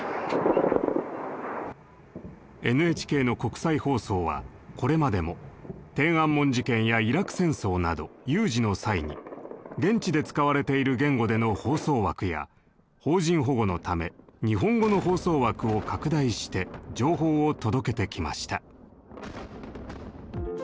ＮＨＫの国際放送はこれまでも天安門事件やイラク戦争など有事の際に現地で使われている言語での放送枠や邦人保護のため日本語の放送枠を拡大して情報を届けてきました。